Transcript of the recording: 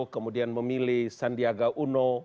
kemudian memilih sandiaga uno